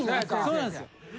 そうなんです。